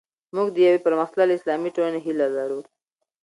موږ د یوې پرمختللې اسلامي ټولنې هیله لرو.